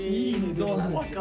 そうなんですよ。